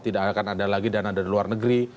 tidak akan ada lagi dana dari luar negeri